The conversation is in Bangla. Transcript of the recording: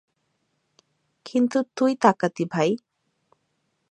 কিন্তু তুই তাকাতি, ভাই।